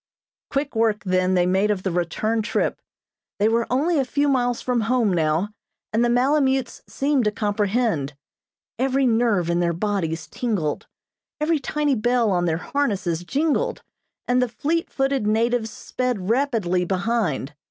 Quick work then they made of the return trip. They were only a few miles from home now, and the malemutes seemed to comprehend. Every nerve in their bodies tingled. Every tiny bell on their harnesses jingled, and the fleet footed natives sped rapidly behind.